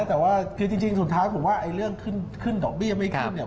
แต่ว่าจริงสุดท้ายผมว่าเรื่องขึ้นดอกเบียดไม่ขึ้น